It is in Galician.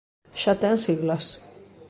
Xa ten siglas.